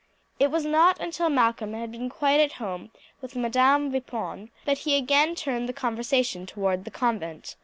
It was not until Malcolm had become quite at home with Madame Vipon that he again turned the conversation towards the convent.